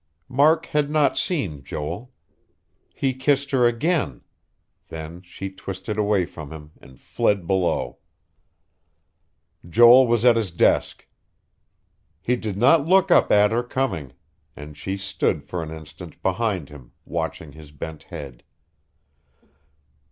Mark had not seen Joel. He kissed her again. Then she twisted away from him, and fled below. Joel was at his desk. He did not look up at her coming; and she stood for an instant, behind him, watching his bent head....